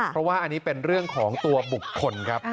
เพราะว่าอันนี้เป็นเรื่องของตัวบุคคลครับ